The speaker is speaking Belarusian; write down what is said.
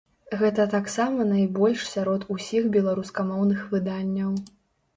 Гэта таксама найбольш сярод усіх беларускамоўных выданняў.